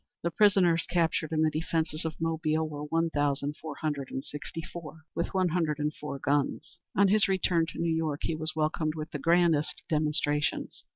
The prisoners captured in the defences of Mobile were one thousand four hundred and sixty four, with one hundred and four guns. On his return to New York he was welcomed with the grandest demonstrations.